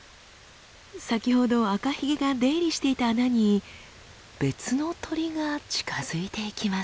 先ほどアカヒゲが出入りしていた穴に別の鳥が近づいていきます。